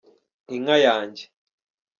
inka yanjye.